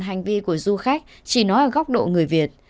hành vi của du khách chỉ nói ở góc độ người việt